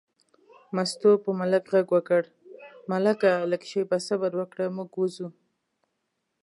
مستو په ملک غږ وکړ: ملکه لږه شېبه صبر وکړه، موږ وځو.